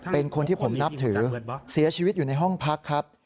เป็นคนที่ผมนับถือเสียชีวิตอยู่ในห้องพักครับ